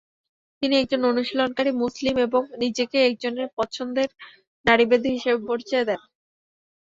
তিনি একজন অনুশীলনকারী মুসলিম এবং নিজেকে একজন পছন্দের নারীবাদী হিসেবে পরিচয় দেন।